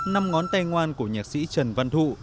năm ngón tay ngoan của nhạc sĩ trần văn thụ